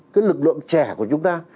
cái lực lượng trẻ của chúng ta